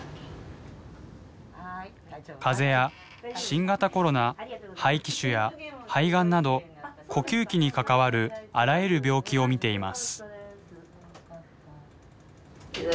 風邪や新型コロナ肺気腫や肺がんなど呼吸器に関わるあらゆる病気を診ています。